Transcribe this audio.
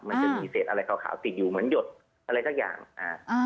มันจะมีเศษอะไรขาวขาวติดอยู่เหมือนหยดอะไรสักอย่างอ่า